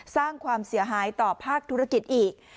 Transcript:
สร้างความเสียหายต่อภาคธุรกิจอีก